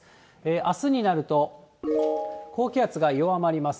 あすになると、高気圧が弱まります。